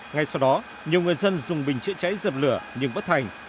ngay sau đó nhiều người dân dùng bình chữa cháy dập lửa nhưng bất thành